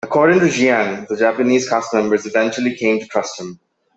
According to Jiang, the Japanese cast members eventually came to trust him.